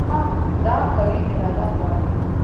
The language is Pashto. دا قوي اراده غواړي.